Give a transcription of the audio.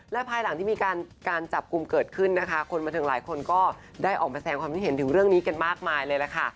และภายหลังที่มีการจับกลุ่มเกิดขึ้นนะคะคนบันเทิงหลายคนก็ได้ออกมาแสงความคิดเห็นถึงเรื่องนี้กันมากมายเลยล่ะค่ะ